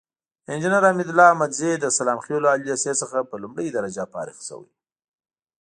انجينر حميدالله احمدزى د سلام خيلو عالي ليسې څخه په لومړۍ درجه فارغ شوى.